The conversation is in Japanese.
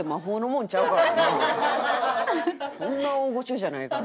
そんな大御所じゃないから。